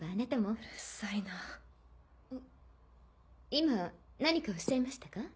今何かおっしゃいましたか？